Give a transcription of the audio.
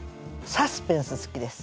サスペンス好きです。